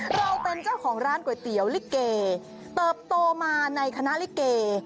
เราเป็นเจ้าของร้านก๋วยเตี๋ยวลิเกเติบโตมาในคณะลิเก